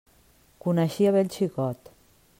Coneixia bé el xicot.